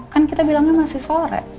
kan kita bilangnya masih sore